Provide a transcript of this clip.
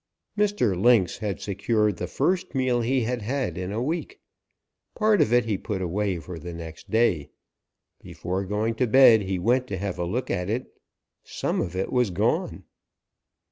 "Mr. Lynx had secured the first meal he had had in a week. Part of it he put away for the next day. Before going to bed he went to have a look at it. Some of it was gone.